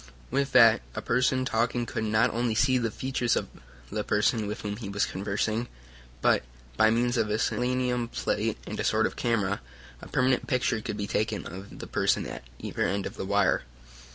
With that a person talking could not only see the features of the person with whom he was conversing, but, by means of a selenium plate and a sort of camera, a permanent picture could be taken of the person at either end of the wire.